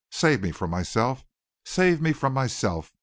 Save me from myself. Save me from myself.